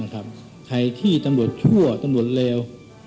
ใครที่ตำรวจชั่วตำรวจเลว